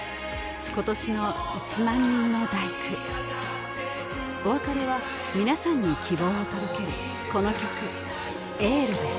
今年の「１万人の第九」お別れはみなさんに希望を届けるこの曲「エール」です